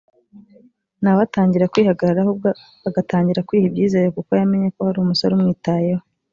nawe atangira kwihagararaho ubwo agatangira kwiha ibyizere kuko yamenye ko hari umusore umwitayeho